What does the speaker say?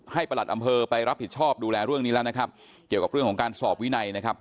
ประหลัดอำเภอไปรับผิดชอบดูแลเรื่องนี้แล้วนะครับเกี่ยวกับเรื่องของการสอบวินัยนะครับ